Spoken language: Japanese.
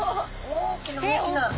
大きな大きな。え！？